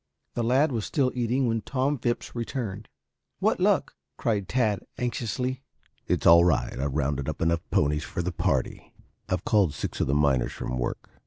The lad was still eating when Tom Phipps returned. "What luck?" cried Tad anxiously. "It's all right. I've rounded up enough ponies for the party. I have called six of the miners from work.